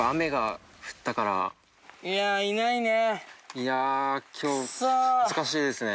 いやきょう難しいですね）